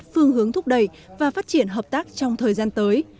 phương hướng thúc đẩy và phát triển hợp tác trong thời gian tới